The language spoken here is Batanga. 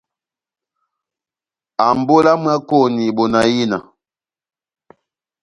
Ambolo ya mwákoni bona ina!